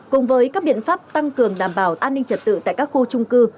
cùng với các biện pháp tăng cường đảm bảo an ninh trật tự tại các khu trung cư